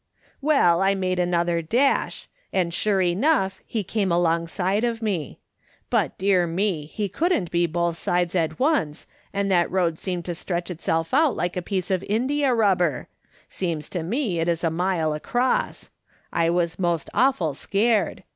" Well, I made another dash, and sure enough he came alongside of me. But dear me ! he couldn't be both sides at once, and that road seemed to stretch itself out like a piece of india rubber ; seems to me it is a mile across ; I was most awful scared.